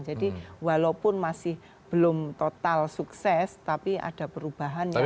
jadi walaupun masih belum total sukses tapi ada perubahan yang terjadi